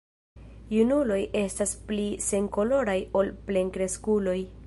Junuloj estas pli senkoloraj ol plenkreskuloj.